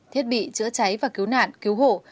thiết bị chữa cháy và cứu nạn cứu hộ